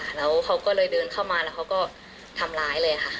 แล้วเขาก็เลยเดินเข้ามาแล้วเขาก็ทำร้ายเลยค่ะ